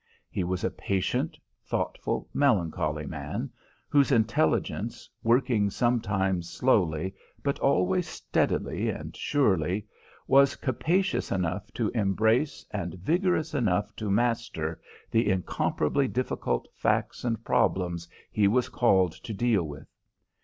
He was a patient, thoughtful, melancholy man, whose intelligence, working sometimes slowly but always steadily and surely, was capacious enough to embrace and vigorous enough to master the incomparably difficult facts and problems he was called to deal with.